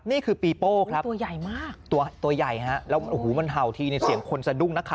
นี่คือปีโป้ครับตัวใหญ่มากตัวใหญ่ฮะแล้วโอ้โหมันเห่าทีเนี่ยเสียงคนสะดุ้งนะคะ